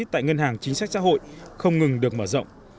tại ngân hàng chính sách xã hội không ngừng được mở rộng